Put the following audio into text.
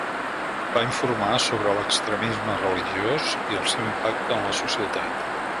Va informar sobre l'extremisme religiós i el seu impacte en la societat.